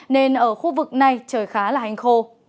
nên ở khu vực này trời khá là hành khô